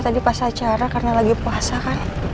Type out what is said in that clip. tadi pas acara karena lagi puasa kan